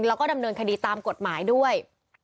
แล้วก็ดำเนินคดีตามกฎหมายด้วย